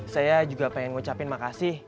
saya juga pengen ngucapin makasih